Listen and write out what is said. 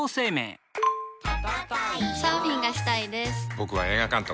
僕は映画監督。